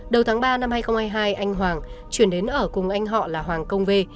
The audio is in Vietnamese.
đầu tháng ba năm hai nghìn hai mươi hai anh hoàng chuyển đến ở cùng anh họ là hoàng công vê